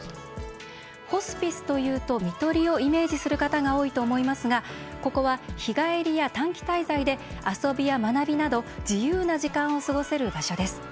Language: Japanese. ホスピスというと看取りをイメージする方が多いと思いますがここは、日帰りや短期滞在で遊びや学びなど自由な時間を過ごせる場所です。